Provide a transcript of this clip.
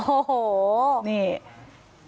โอ้โห